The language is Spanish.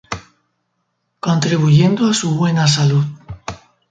Contribuyendo a su buena salud.